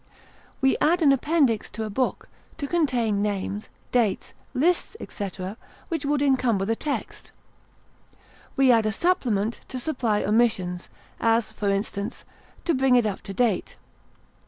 We add an appendix to a book, to contain names, dates, lists, etc., which would encumber the text; we add a supplement to supply omissions, as, for instance, to bring it up to date.